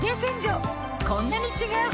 こんなに違う！